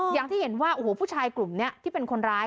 อย่างที่เห็นว่าโอ้โหผู้ชายกลุ่มนี้ที่เป็นคนร้าย